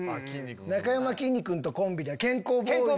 なかやまきんに君とコンビで健康ボーイズ。